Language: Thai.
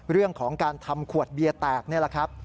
เรื่องของการทำขวดเบียร์แตกนี่แหละครับ